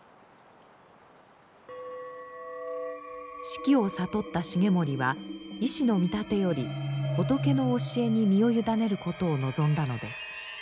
死期を悟った重盛は医師のみたてより仏の教えに身を委ねることを望んだのです。